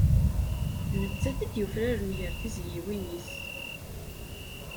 D nettat i d-yufraren ger tizyiwin-is.